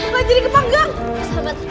gue jadi kepanggang